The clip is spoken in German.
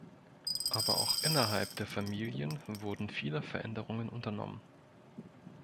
Aber auch innerhalb der Familien wurden viele Veränderungen unternommen.